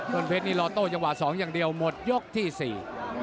ต้นเพชนนี้รอโตจังหวะ๒อย่างเดียวหมดยกที่๔